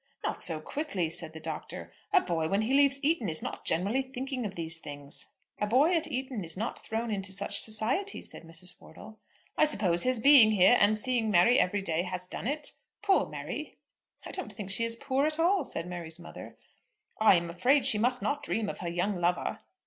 "Not so quickly," said the Doctor. "A boy when he leaves Eton is not generally thinking of these things." "A boy at Eton is not thrown into such society," said Mrs. Wortle. "I suppose his being here and seeing Mary every day has done it. Poor Mary!" "I don't think she is poor at all," said Mary's mother. "I am afraid she must not dream of her young lover."